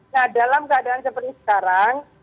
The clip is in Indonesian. nah dalam keadaan seperti sekarang